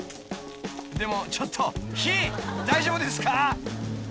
［でもちょっと火大丈夫ですか？］